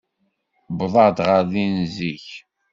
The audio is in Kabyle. Uwḍeɣ ɣer din zik.